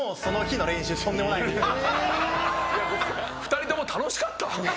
２人とも楽しかった？え！？